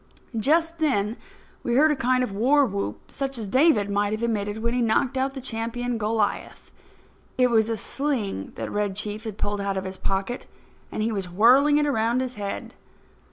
Just then we heard a kind Of war whoop, such as David might have emitted when he knocked out the champion Goliath. It was a sling that Red Chief had pulled out of his pocket, and he was whirling it around his head.